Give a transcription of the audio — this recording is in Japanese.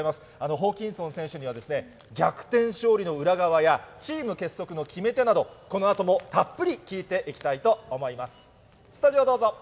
ホーキンソン選手には、逆転勝利の裏側や、チーム結束の決め手など、このあともたっぷり聞いていきたいと思います。